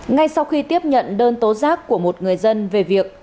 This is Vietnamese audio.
ngay sau khi tiếp nhận đơn tố giác của một người dân về việc